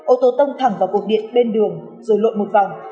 ô tô tông thẳng vào cột điện bên đường rồi lộn một vòng